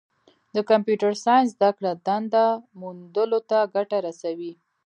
د کمپیوټر ساینس زدهکړه دنده موندلو ته ګټه رسوي.